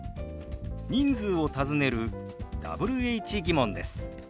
人数を尋ねるＷｈ−疑問です。